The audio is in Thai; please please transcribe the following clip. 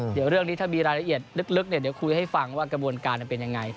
เดี๋ยวเรื่องนี้ถ้ามีรายละเอียดลึกเดี๋ยวคุยให้ฟังว่ากระบวนการมันเป็นยังไง